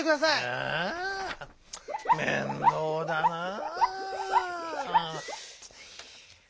ああ面倒だなぁ！